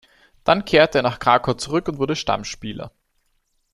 Dann kehrte er nach Krakau zurück und wurde Stammspieler.